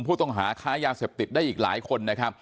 ผู้ต้องหาค้ายาเสพติดได้อีกหลายคนนะครับ